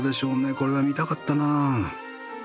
これは見たかったな。